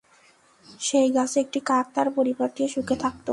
সেই গাছে একটি কাক তার পরিবার নিয়ে সুখে থাকত।